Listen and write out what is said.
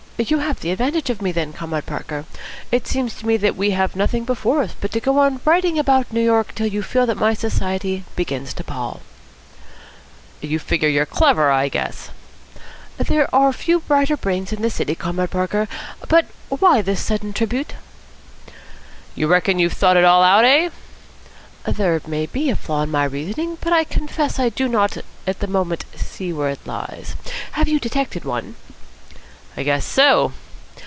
"You have the advantage of me then, Comrade Parker. It seems to me that we have nothing before us but to go on riding about New York till you feel that my society begins to pall." "You figure you're clever, I guess." "There are few brighter brains in this city, Comrade Parker. But why this sudden tribute?" "You reckon you've thought it all out, eh?" "There may be a flaw in my reasoning, but I confess I do not at the moment see where it lies. Have you detected one?" "I guess so."